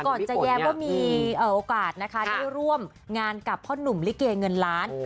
ก่อนจะแย้มว่ามีโอกาสนะคะได้ร่วมงานกับพ่อหนุ่มลิเกเงินล้าน